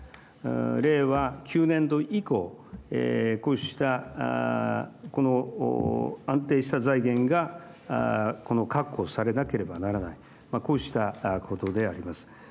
令和９年度以降こうしたこの安定した財源が確保されなければならないこうしたことであります。